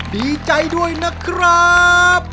ดีใจด้วยนะครับ